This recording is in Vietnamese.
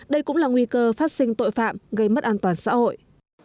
đây cũng là nguy cơ phát sinh tội phạm gây mất an toàn xã hội